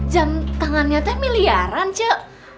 jam tangan nyata miliaran cu